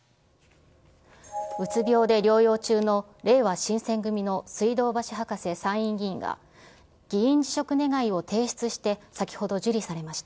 うつ病で療養中のれいわ新選組の水道橋博士参院議員が、議員辞職願を提出して、先ほど、受理されました。